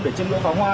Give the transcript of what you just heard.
để chân lưỡng phá hoa